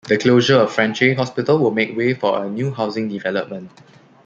The closure of Frenchay Hospital will make way for a new housing development.